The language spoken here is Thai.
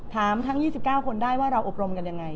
ทั้ง๒๙คนได้ว่าเราอบรมกันยังไง